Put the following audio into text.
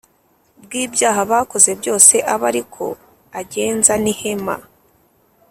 Bw ibyaha bakoze byose abe ari ko agenza n ihema